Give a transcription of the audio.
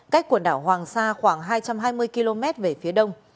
cách quần đảo hoàng sa khoảng hai trăm hai mươi km về phía đông